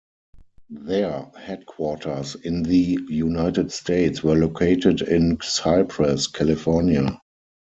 Their headquarters in the United States were located in Cypress, California.